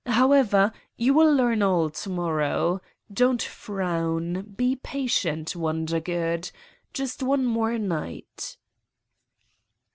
However, you will learn all to morrow. Don't frown. Be patient, Wondergood! Just*one more night!"